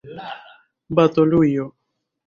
Balotujo.